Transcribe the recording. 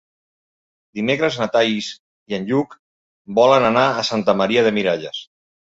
Dimecres na Thaís i en Lluc volen anar a Santa Maria de Miralles.